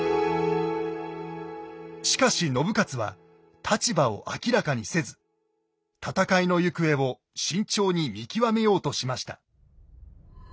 しかし信雄は立場を明らかにせず戦いの行方を慎重に見極めようとしました。